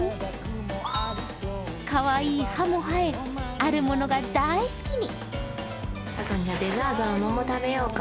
かわいい歯も生え、あるものが大好きに。